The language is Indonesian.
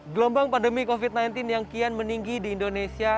gelombang pandemi covid sembilan belas yang kian meninggi di indonesia